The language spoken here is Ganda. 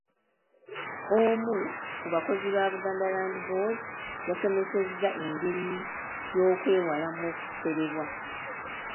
Omu ku bakozi ba Buganda Land Board yasomesezza engeri y'okwewalamu okuferebwa.